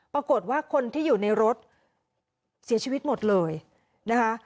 ปรากฏว่าคนที่อยู่ในรถเสียชีวิตหมดเลยนะคะ